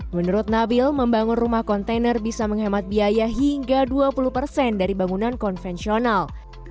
menurut nabil membangun rumah kontainer bisa menghemat biaya hingga dua puluh persen dari bangunan konvensional